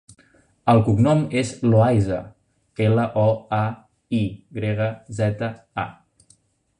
El cognom és Loayza: ela, o, a, i grega, zeta, a.